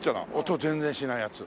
音全然しないやつ。